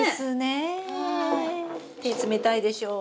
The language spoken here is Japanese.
手冷たいでしょう。